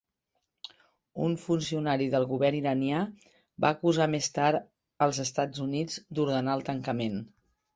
Un funcionari del govern iranià va acusar més tard als Estats Units d'ordenar el tancament.